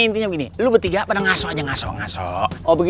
ada muslim kayak exchange